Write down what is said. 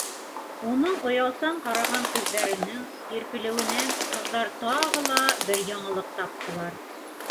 Уның оялсан ҡараған күҙҙәренең һирпелеүенән ҡыҙҙар тағы ла бер яңылыҡ таптылар: